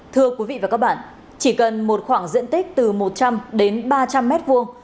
thưa quý vị và các bạn chỉ cần một khoảng diện tích từ một trăm linh đến ba trăm linh mét vuông